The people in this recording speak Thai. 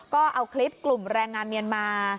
ก็เอาคลิปกลุ่มแรงงานเมียนมา